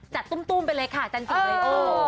จัดตุ้มไปเลยค่ะจันทรีย์เลย